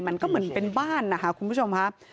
มันก็เหมือนเป็นบ้านนะคะคุณผู้ชมครับ